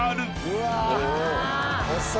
うわ。